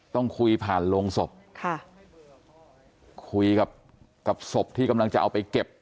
ต้องคุยผ่านโรงศพค่ะคุยกับศพที่กำลังจะเอาไปเก็บ